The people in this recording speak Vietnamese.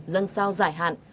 dân sao giải hạn